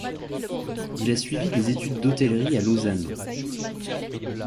Il a suivi des études d’hôtellerie à Lausanne.